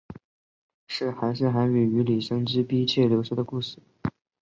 是寒士韩翃与李生之婢妾柳氏的故事。